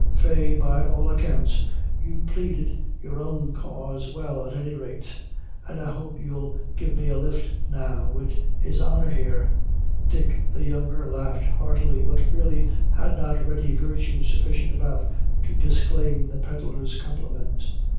Faix, by all accounts you pleaded your own cause well, at any rate; and I hope you'll give me a lift now wid his honor here." Dick the younger laughed heartily, but really had not ready virtue sufficient about, to disclaim the pedlar's compliment.